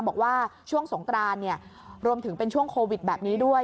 บอกว่าช่วงสงกรานรวมถึงเป็นช่วงโควิดแบบนี้ด้วย